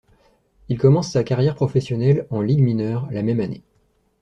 Il commence sa carrière professionnelle en ligues mineures la même année.